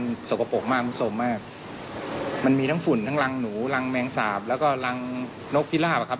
มันสกปรกมากมันสมมากมันมีทั้งฝุ่นทั้งรังหนูรังแมงสาบแล้วก็รังนกพิราบอะครับ